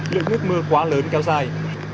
lượng nước mưa quá lớn kéo dài